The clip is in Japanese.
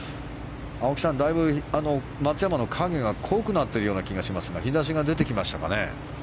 青木さん、だいぶ松山の影が濃くなっているような気がしますが日差しが出てきましたかね。